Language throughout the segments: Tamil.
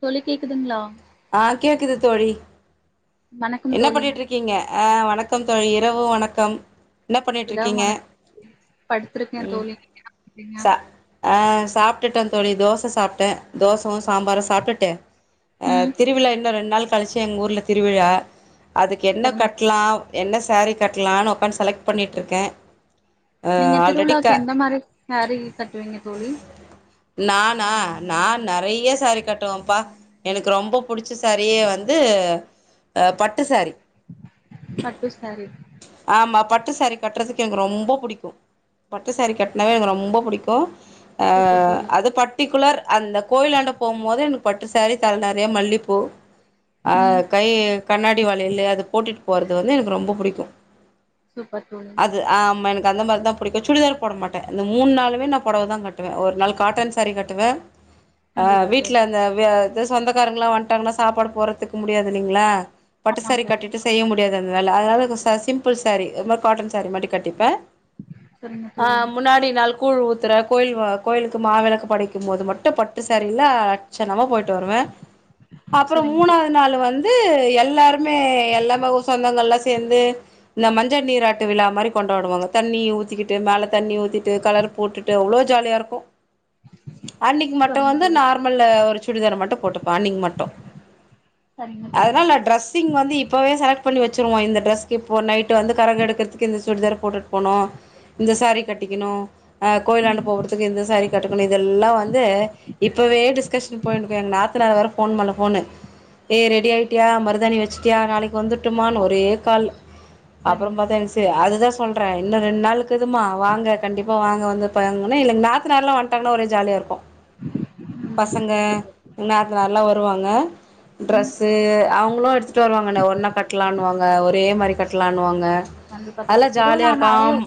தோழி கேக்குதுங்ளா ஆஹ் கேக்குது தோழி வணக்கம் என்ன தோழி பண்ணிட்ருக்கீங்க ஆஹ் வணக்கம் தோழி இரவு வணக்கம் என்ன பண்ணிட்ருக்கீங்க இரவு [inaudible] படுத்திருக்கே தோழி ப்டிங்க ஆஹ் சாப்டுட்டே தோழி தோச சாப்டே தோசவு சாம்பாரு சாப்டுட்டு அ ம் திருவிழா என் ன்னு ரெண் நாள் கழிச்சி எங்க ஊர்ல திருவிழா அதுக்கு என்ன சரிங்க கட்லா என்ன சேரி கட்லான் ஒக்காந் செலக் பண்ணிட்ருக்கே அ நீங்க ஆல்ரெடி திருவிழாக்கு க எந்த மாரி ச சேரி கட்டுவீங்க தோழி நானா நா நறைய்ய சேரி கட்டுவம்ப்பா எனக்கு ரொம்ப புடிச்ச சேரியே வந்து அ பட்டு சேரி பட்டு சேரி ட்டு சேரி கட்றதுக்கு எனக்கு ரொம்ப புடிக்கு பட்டு சேரி கட்னாவே எனக்கு ரொம்ப புடிக்கூ அ சூப்பர் தோழி அது பட்டிகுலர் அந்த கோயிலாண்ட போம் போது எனக்கு பட்டுசேரி தல நெறைய மல்லிப்பூ அ ம் கை கண்ணாடி வளையிலு அது போட்டிட் போறது வந்து எனக்கு ரொம்ப புடிக்கு சூப்பர் தோழி அது ஆமா என த அந்த மாரி தா புடிக்கு சுடிதார் போட மாட்டே இந்த மூண் நாளுமே நா பொடவ தாங் கட்டுவே ஒரு நாள் காட்டன் சேரி கட்டுவே அஹ் கண்டிப்பா தோழி வீட்ல அந்த வ்ய த சொந்தக்காரங்களா வந்டாங்கனா சாப்பாடு போறதுக்கு முடியாதில்லிங்ளா பட்டு ஆமா சேரி தோழி கட்டிட்டு முடியாது அந்த வேல அதனால கொ சா சிம்பிள் சேரி இ மார் காட்டன் சேரி மாட்டி கட்டிப்பே சரிங்க தோழி ஆஹ் முன்னாடி நாளு கூழ் ஊத்துற கோயில் வா கோயிலுக்கு மாவெளக்கு படைக்கும் போது மட்டு பட்டு சேரீல ச்சனமா போய்ட்டு வருவே அப்புறோ சரிங்க தோழி மூணாவது நாள் வந் ந்து எல்லாருமே எல்லாம் லா ஊ சொந்தங்கள்லா சேந்து இந்த மஞ்ச நீராட்டு விழா மாரி கொண்டாடுவாங்க தண்ணி ஊத்திகிட்டு மேலத் தண்ணி ஊத்திட்டு கலர் போட்டுட்டு அவ்ளோ ஜாலியாருக்கு அன்னிக்கு மட்டு சரிங்க வந்து தோழி நார்மல்லு ஒரு சுடிதார் மட்டு போட்டுப்பே அன்னிக்கு மட்டு சரிங்க தோழி அதனால் நா டிரஸ்ஸிங் வந்து இப்பவே செல பண்ணி வெச்சுருவோ இந்த டிரெஸ்கு இப்போ நைட் வந்து கரகொ எடுக்கறதுக்கு இந்த சுடிதார் போட்டுட் போணு இந்த சேரி கட்டிகிணு கோயிலாண்டு போகுறதுக்கு இந்த சாரி கட்டிணு இதெல்லாம் வந்து இப்பவே டிஸ்கஷன் போய்னு இருக்கு எங்க நாந்தனார் வேர போன் மேல போனு ஏ ரெடி ஆய்ட்டியா மருதாணி வெச்சுட்டியா நாளைக்கு வந்து மட்டுமானு ஒரே காலு சரிங்க அப்புறம் தோழி பாத்தா அதுதா சொல்ற இன்னும் ரெண்டு நாளுக்கு இகுதுமா வாங்க கண்டிப்பா வாங்க வந்து பங்கனா எங்க நாத்தனார் வந் டங்கா ஒரே ஜாலியா இருக்கு ம் பசங்க சூப்பர் தோழி நாத்தனாருல்லா வருவாங்க ம் டிரெஸ்சு அவங்க [unintelligible] வருாங்க ஒன்ன கட்ட கட்டலானு வாங்க ஒரே மாரி கட்டலானு வாங்க கண்டிப்பா தோழி திருவிழானாலே [inaudible]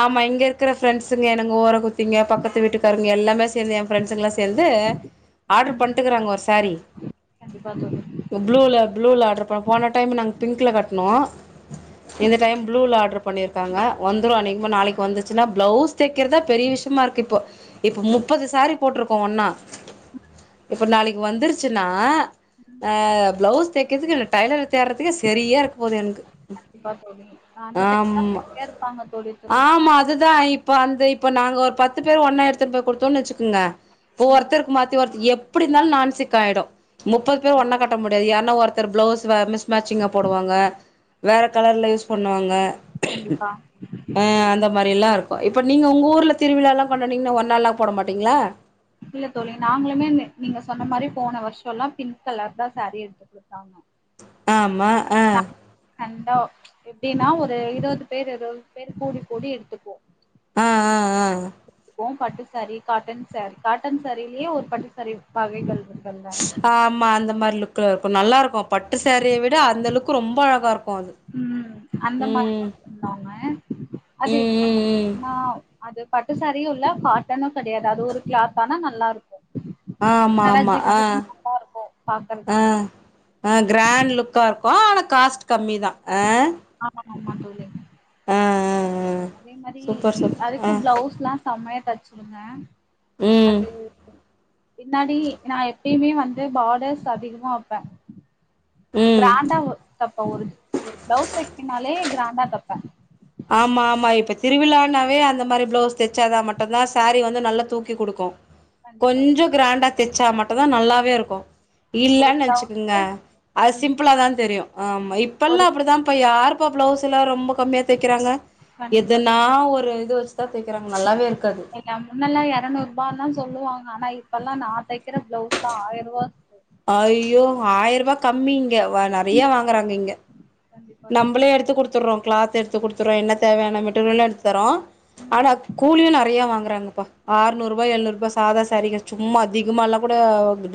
ஆமா இங்க இருக்கிற ஃபிரெண்ட்சுங்க எனகு ஓரகுத்திங்க பக்கத்து வீட்டுக்காரங்க எல்லாமே சேர்ந்து என் ஃபிரண்ட்ஸ்ல்லா சேர்ந்து ஆடர் ம் பண்ணிட்டுக்காங்க ஒரு சாரி கண்டிப்பா தோழி புளு புளுளா போன டைம் நாங்க பிங்ல கட்டுனோ இந்த டைம் ப்ளூல ஆர்டர் பண்ணியிருக் ங்க வந்துரு அனேகமா நாளிக்கு வந்து னா ப்ளவுஸ் தைக்கிறதா பெரிய விஷயமா இருக்கு இப்போ இப்ப முப்பது சாரி போட்ருக்கோம் ஒன்னா இப்போ நாளிக்கு வந்துருச்சுன்னா ம் ஆ ப்ளவுஸ் தேக்கிற்க்கு டைலர தேட்றதுக்கே செரியா இருக்க போது எனக்கு கண்டிப்பா தோழி அந்த டைம்ல ஆமா பிஸியா இருப்பாங்க தோழி ஆமா திருவிழானால அதுதா இப்ப வந்து இப்ப நாங் ஓர் பத்து பேரு ஒன்னாயேடுத்து போய் குடுத் தோண்ணு ச்சுக்கோங்க ம் ஒர்த்தர்க்கு மாத்தி ஒர்த எப் ப்புடி ருந்தாலும் நான் சிக்காய்டும் முப்பத் பேர் ஒன்னா கண்டிப்பா கட்ட தோழி. முடியாத் யாருன்ன ஒர்த் ர்த்தர் புளோஸூ வர்ல ஸ் மேட்ச்சிங்காக போடுவாங்க வேற கலர்ல யூஸ் பண்ணுவாங்க கண்டிப்பா. ஆ அந்த மாறியேல்லா ருக் ப்பா இப்ப நீங்க உங் ஊர்ல திருவிழாலா கொண்டாட்னீங்க ஒன்னாலா போட மாட்டிங்களா இல்ல தோழி நாங்ளுமே நீங்- நீங்க சொன்ன மாரி போன வருஷ்ஷோலா பிங்க் கலர் தா சாரி எடுத்து குத்தாங்க ஆமா அ கண்டா எப்டின்னா ஒரு இருவது பேரு இருவது பேரு கூடி கூடி எடுத்துப்போ அ அ அ வோம் பட்டு சாரி காட்டன் சர் காட்டன் சாரிலியே ஒரு பட்டுசாரி வகைகள். இருக்குல்ல ஆமா அந்த மார் லுக் க்கு [unintelligible] நல்லாருக்கு பட்டு சாரிய விட அந்தளவுக்கு ரொம்ப அழகாருக் உம் அந்த மாரி பண்ணாங்க அது ம் ம் ம் நா அது பட்டுசேரியு இல்ல காட்டனு கெடையாது அது ஒரு க்ளாத்து ஆனா நல்லாருக்கு. ஆ ஆமா ஆமா ஆ இருக்கு ஆ பாக்குறதுக்கு ஆ கிராண்ட் லுக்காருக்கு. ப்போ ஆனா காஸ்ட் கம்மி தா ஆ ஆமாங்க ஆமாங்க தோழி ஆ ஆ ஆ அதே மாரி சூப்பர் சூப்பர் அதுக்கு ஆ புளவுஸ்லா செம்மையா தச்சுடுங்க. ம் அது பின்னாடி நா எப்பயுமே வந்து பார்டர்ஸ் அதிகமா வெப்பே அ ம் கிராண்டா வீ தப்பே ஒரு ஒரு பிளவுஸ் தைக் என்னாலே கிராண்டா தப்பே ஆமா ஆமா இப்ப திருவிழான்னாவே அந்த மாரி பிளவுஸ் தச்சாதா மட்டம்தா சாரி வந்து நல்லா தூக்கி குடுக்கு கண்டிப்பா கொஞ்சோ க்ராண்ட் தச்சா மட்டுதா நல்லாவேருக்கு ஒரு இல்லன்னு வெச்சுக்கோங்க பிளவுஸ்க்கு அது ம் சிம்பிளா தா தெரியு ஆமா ஒரு இப்பெல்லா அப்புடிதாப்பா யார் [unintelligible] பிளவுஸ்ல ரொம்ப கம் தேக்றாங்க கண்டிப்பா எதனா ஒரு இது வெச்சுதா தேகறாங்க நல்லாவே இருக்காது எருநூறு ரூபாயதா சொல்லாங்க ஆனா இப்பெல்லா நா தைக்கிற பிளவுஸ்லாம ஆயர்ரூபா அய்யோ ஆயிர்ரூபா கம்மி இங்க நறைய வாங்கறாங்க இங்க கண்டிப்பா தோழி நம்மளே எடுத்து குடுத்துட்றோ கிளத் எடுத்து குடுத்துர்றோ என்ன தேவையான மெட்டீரியல்ல எடுத்து தரே ம் ஆனா கூலியு நறைய வாங்கறாங்க ஆறுநூறு ரூபாய் எழுநூறுூபா சாதா சாரீ சும்மா அதிகமா எல்லா கூட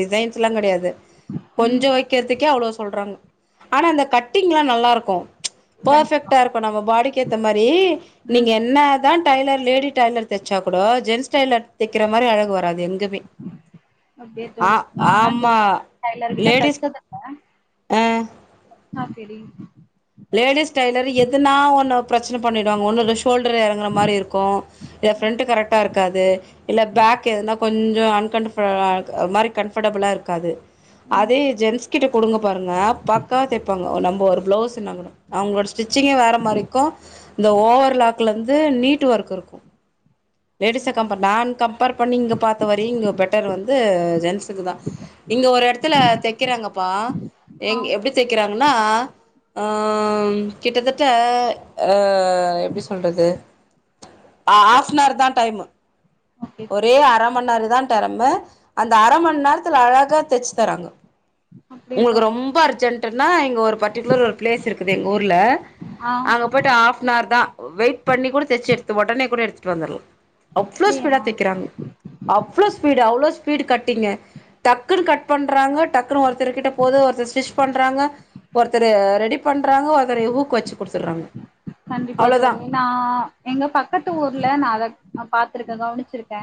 டிசைன்ஸ் எல்லா கிடையாது ம் கொஞ்சம் வைக்கிறதுக்கே அவ்வளோ சொல்றாங்க ஆனா அந்த கட்டிங் எல்லாம் நல்லா இருக்கு க்கூ கண்டிப்பா பர்பெக்ட்டா இருக்கும் நம்ம பாடிக்கு ஏத்த மாதிரி ம் நீங்க என்ன தா டையலர் லேடி டைலர் தச்சா கூட ஜென்ஸ் டெய்லர் தைக்கிற மாதிரி அழகு வராது எங்கமே அப்டியா தோழி நானா ஆமா டெய்லர் கிட்ட லேடிஸ் ஆஹ் ஆஹ் சரி டெய்லர் எதுனா உன பிரச்சனை பண்ணிவிடுவாங்க ஒன்றும் இல்ல ஷோல்டர் இறங்குற மாதிரி இருக்கும் இல்ல ஃப்ரண்ட்டு கரெக்டாக இருக்காது இல்ல பேக் எதுனா கொஞ்ச கொஞ்சம் அன்கம்ஃபர மாதிரி கம்ஃபர்டபுளா இருக்காது ம் அதே ஜென்ஸ் கிட்ட கொடுங்க பாருங்க பக்கா தைப்பாங்க நம்ம ஒரு பிளவுஸ் அவங்களோட ஸ்டிச்சிங்கே வேற மாதிரிக்கும் இந்த ஓவர் லாக்ல இருந்து நீட் ஒர்க் இருக்கும் லேடிஸா ம் கம்பேர் நா கம்பேர் பண்ணி இங்க பார்த்த வரையும் இங்க பெட்டர் வந்து ஜென்ஸுக்கு தா இங்க ஒரு இடத்துல தைக்கிறாங்கப்பா ஆ எங்க எப்படி தைக்கிறாங்கன்னா ஆம் கிட்டத்தட்ட அஹ் அஹ் எப்டி சொல்றது ஆ ஹாஃப் த்னார் தா டைமு ஓகே ஒரே தோழி அர ம நேர தா தரம்ப அந்த அர ம நேரத் த்துல அழகா தச்சு தராங்க அப்டியா உங்களுக்கு தோழி ரொம்ப அர்ஜென்ட்டுன்னா இங்க ஒரு பர்டிகுலர் ஒரு ப்லேஸ் இருக்குது எங்க ஊர்ல ஆ அங்க போயிட்டு ஆஃப் நார்தா வெயிட் பண்ணிக்கூட தச்சு எடுத்து ஒடன்னே கூட எடுத் டு வந்தர்லா அவ்ளோ ஸ்பீடா அப்டியா அங் அவ்ளோ ஸ்பீடு அவ்ளோ ஸ்பீட் கட்டிங்கு டக்குனு கட் பண்றாங்க டக்குனு ஒருத்தர் கிட்ட போது ஒருத்தர் ஸ்டிச் பண்றாங்க ஒருத்தரு ரெடி பண்றாங்க ஒருத்தரு ஊக்கு வச்சு குடுத்துற்றாங்க கண்டிப்பா தோழி நா எங்க பக்கத்து ஊர்ல நா அத அ பாத் த்துருக்கே கவனிச்சிருக்கே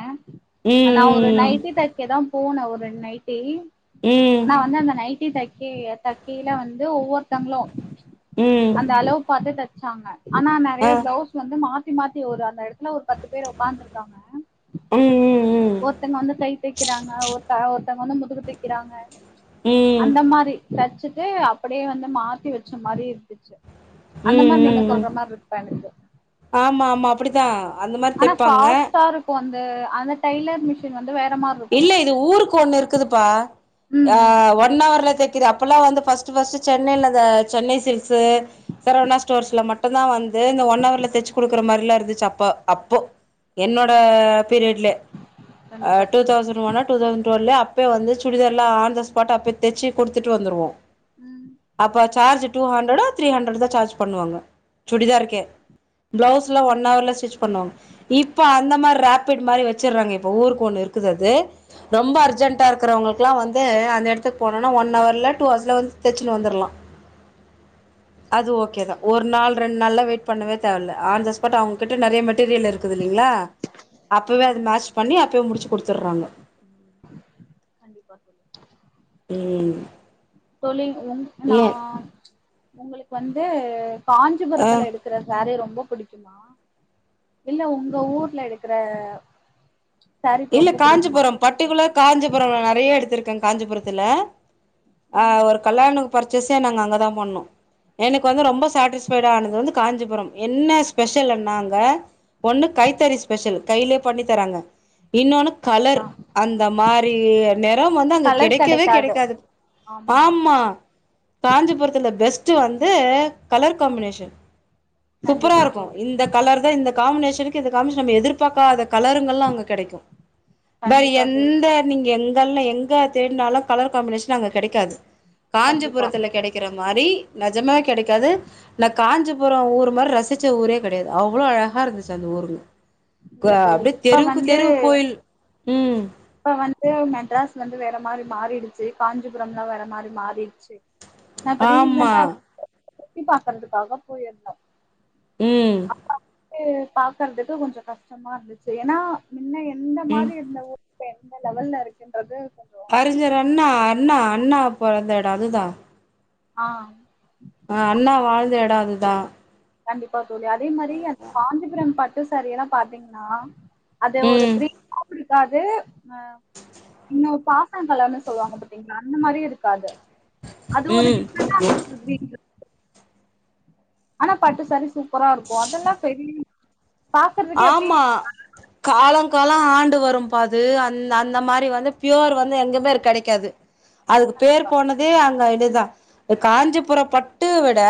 ஆனா ஒரு ம் நைட்டி தைக்க தா போனே ஒரு ரெண் நைட்டி ம் ஆனா வந்து அந்த நைட் ட்டி தக்கை தக்கையில வந்து ஒவ்வொருத்தங்களும் ம் ம் ம் அந்த அளவு பாத்து த சாங்க ஆனா ஆ நெறைய ப்ளவ்ஸ் வந்து மா தி மாத்தி ஒரு அந்தெட த்ல ஒரு பத்து பேர் ஒக்காந்ருந்தாங்க ம் ம் ம் ஒருத்தங்க வந்து கை தைக் க்கிறாங்க ஒருத்த ஒருத்தங்க வந்து முதுகு தைக்கிறாங்க ம் அந்த மாரி தச்சுட்டு அப்படியே வந்து மாத்தி வச்ச மாரி இருந்துச்சு அந்த உம் மாரி உம் நீங்க உம் சொல்ற மாரி இருக்கு எனக்கு ஆமா ஆமா அப்டிதான் ஆனா ஃபாஸ்டாருக்கு அந் த அந்த டைலர் மிஷின் வ இல்ல இது ஊருக்கு ஒண்ணு இருக்குதுப் பா ம் ய ம் ஒன்னவர்ல தெக்குது அப்பெல்லாம் வந்து ஃபர்ஸ்ட் ஃபர்ஸ்டு சென்னைல த சென்னை சில்க்ஸு சரவணா ஸ்டோர்ஸ்ல மட்டுந்தான் வந்து இந்த ஒன் அவர்ல தெச்சு குடுக்கற மாறிலா இருந்துச்சு அப்ப அப்போ என்னோட பீரியட்லே கண்டிப்பா அஹ் டூ தோழி தௌசன் ஒண்ணா டூ தௌசன் ட்டுவெல்லு அப்பவே வந்து சுடிதார்லா ஆன்தஸ் பாட் அப்யே தெச்சு குடுத்துட்டு வந்துருவோ ம் அப்ப சார்ஜ் டூ ஹண்ரடோ த்ரீ ஹண்ரட் தான் சார்ஜ் பண்ணுவாங்க சுடிதார்க்கே பிளவ்ஸ்ல ஒன் ம் அவர்ல ஸ்டிச் பண்ணுவாங்க இப்ப அந்த மாதிரி ராபிட் மாரி வச்சிட்றாங்க இப்ப ஊருக் ஒன்னிர்க் குதது ரொம்ப அர்ஜென்டா இருக்றவங்களுக்லா வந்து அந்த எடத்துக்கு போனோனா ஒன்னவர்ல டூ ஆர்ஸ்ல வந்து தெச்சுட்டு வந்துர்லாம் அது சரிங்க ஓகே தோழி தா ஒர் நாள் ரெண்டு நாள்ல்ல வெயிட் பண்ணவே தேவல ஆன்த பாட்டவுங்ககிட் நெறைய மெட்டீரியல் இருக்குதில்லைங்ளா அப்பவே ஆமா அது தோழி மேட்ச் பண்ணி அப்பவே முடிச்சு குடுத்துடுறாங்க கண்டிப்பா தோழி உம் தோழி அதுவந்து டு நா உங்களுக் வந்து ஆ காஞ்சிபுரத்துல எடுக்குற சேரி ரொம் ரொம்ப புடிக்குமா இல்ல உங்க ஊர்ல எடுக்குற இல்ல காஞ்சிபுரொ பட்டிகுலர் காஞ்சிபுரம்ல நறைய எடுத்திருக்க காஞ்சிபுரத்துல அ ம் ஒரு கல்லாணு பர்ச்சேஸே நாங்க அங்கதா பண்ணோ எனக் வந்து ரொம்ப சேட்டிஸ்ஃபைடு ஆனது வந்து காஞ்சிபுரம் என்ன ஸ்பெஷல் என்னா அங்க ஒன்னு கைத்தறி ஸ்பெஷலு கைலே பண்ணி தராங்க இன்னோனு கலர் கண்டிப்பா அந்த மாரி நெறம் வந்து அங்க கெடைக்கவே கெடைக்காது ஆமா காஞ்சிபுரத்துல பெஸ்ட் ஃபஸ்ட்டு வந்து கலர் காம்பினேஷன் சூப்பரா கண்டிப்பா இருக்கு தோழி இந்த கலர்தா இந்த காமினேஷன்க்கு இந்த காமினேஷன் நம்ம எதிர்பாக்காத கலருங்கல்லா அங்க கெடைக்கு வேற கண்டிப்பா தோழி எந்த நீங்க எங் ர்ல எங்க தேடுனாலு கலர் காம்பினேஷன் அங்க கெடைக்காது கண்டிப்பா காஞ்சிபுரத்துல கெடைக்கிற மாரி நெஜமா கெடைக்காது ந காஞ்சிபுர ஊரு ஒரு மார் ரசிச்ச ஊரே கெடையாது அவ்ளோ அழகா இருந் செல ஊருங்க க இல்ல தோழி அப்டியே இப்ப தெருவுக்கு வந்து தெருவு கோயில் ம் இப்ப வந்து மெட்ராஸ் வந்து வேற மாரி மாறிடுச்சு காஞ்சிபுரம்லா வேற மாரி மாறிருச்சு நா இப்ப ஆமா ரீஸன்டா சுத்தி பாக்கறதுக்காக போயிருந்தோ ம் எ பாக்கர்துக்கு கொஞ்சோ கஷ்டமா இருந்துச்சு ஏனா இன்ன எந்த ம் மாதிரி இருந்த ஊ இப்பே எந்த லெவல்ல இருக்குன்றது கொஞ்சோ அறிஞர் அண்ணா அண்ணா அண்ணா பொறந்த எடோ அதுதா ஆ அ அண்ணா வாழ்ந்த எடோ அதுதா கண்டிப்பா தோழி அதே மாரி அந்த காஞ்சிபுரம் பட்டு சேரீ எல்லா பாத்தீங்ன்னா அதே ஒரு ம் ரிக் [unintelligible] க்காது ஆ இன்னு பாச நல்லால்ல சொல்லுவாங்க பாத்தீங்களா அந்த மாரி இருக்காது அது ஒரு ம் டிஃபரண்ட்டா [unintelligible] ஆனா பட்டு சேரீ சுப் ப்பரா இருக்கோ அதெல்லா பெரி ஆமா காலோ காலோ ஆன் ட்டு வரும் பா அது அந்த அந்த மாரி வந்து பியோர் வந்து எங்கமே இருக் கெடைக்காது அதுக்கு பேர் கண்டிப்பா போனேதே அங்க துதா எ காஞ்சிபுர பட்டு விட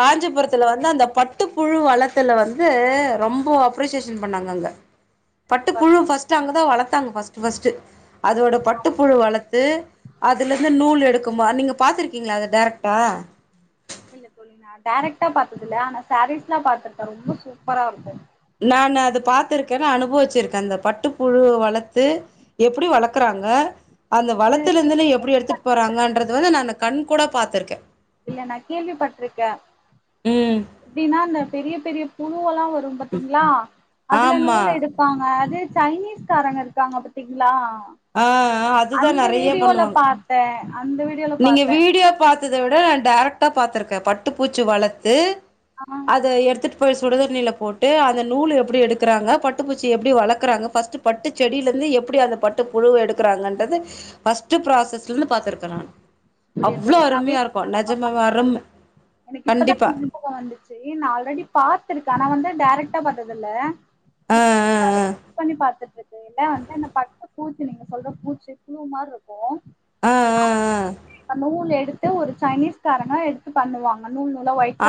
காஞ்சிபுரத்தில வந்து அந்த பட்டுப்புழு வளத்துல வந்து ரொம் போ அப்ரிசியேஷன் பண்ணாங்க அங்க பட்டு சூப்பரா புழுவு ஃபஸ்ட் அங்க து வளத்தாங்க ஃபஸ்ட்டு ஃபஸ்ட்டு அதோட பட்டுப்புழு வளத்து அதுலந்து நூல் எடுக் குமா நீங்க பாத்திருக்கிங்ளா அத டைரக்டா இல்ல தோழி நா டேரக்ட்டா பாத்தது இல்ல ஆனா சேரீஸ்ல்லா பாத்துருக்கே ரொம்ப சூப்பரா இருக்கு நானு அத பாத்துருக்கே நா அனுபவிச்சிருக்கே அந்த பட்டுப்புழு வளத்து எப்பிடி வளக்குறாங்க அந்த அது வளத்துலுந்துனு எப்பிடி எடுத்துட் போறாங்கன்றது வந்து நானு கண் கூடா பாத்திருக்கே இல்ல நா கேள்விப்பட்ருக்கே ம். எப்டின்னா அந்த பெரிய பெரிய புழுவெல்லா வர் ரும் பத்திங்ளா அதுல ஆமா. நூல் எடுப்பாங்க அது சைனீஸ் காரங்க இருக்காங்க பத்திங்ளா அ அ அதுதா நெறைய பண்ணுவாங் பார்த்தேன் அந்த வீடியோல நீங்க பார்த்தேன் வீடியோ பாத் த்தத விட டேரக்ட்டா பாத்துருக்கே பட்டு பூச்சி வளத்து ஆஹ் அத எடுத்துட்டு போய் ஸு சுடுதண்ணில போட்டு அத நூலு எப்டி எடுக்கறாங்க பட் டு பூச்சி எப்டி வளக்கறாங்க ஃபஸ்ட்டு பட்டு செடியிலந்து எப்டி அந்த பட் துப் புழுவு எடுக்கறாங்கன்றது ஃபஸ்ட்டு ப்ராசஸ் தின்னு பாத்திருக்கே‌ நான் அப்படியா அவ்ளோ தோழி நான் அரும்மியாருக்கு வீடியோ நெஜமாவே அரும் எனக்கு இப்பதா [inaudible] வந்துச்சி நா ஆல்ரெடி பாத்திருக்கே ஆனா வந்து டேரக்டா பாத்தது இல்ல ஆ ஆ [inaudible] பண்ணி பாத்துட்டுருக் து எல்லா வந்து அந்த பட்ட பூச்சி நீங்க சொல்ற பூச்சி புழுவு மார்ருக்கூ ஆ ந்த நூல் எடு ட்டு ஒரு சைனீஸ்காரனா எடுத்து பண்ணுவா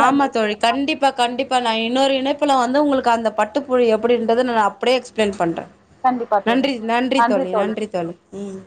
ஆமா தோழி கண்டிப்பா கண்டிப் ப்ப நா இன்னோரு இணைப்புல வந்து உங்குளுக்கு அந்த பட்டுப்புழு எப்டின்றது ந நா அ ப்டே எக்ஸ்பிளைன் பண்றே கண்டிப்பா தோழி நன்றி நன்றி தோழி நன்றி தோழி ம்